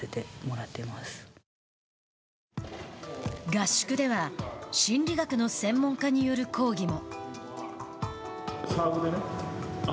合宿では心理学の専門家による講義も。